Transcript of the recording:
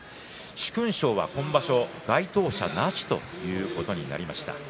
殊勲賞は今場所該当者なしといういうことになりました。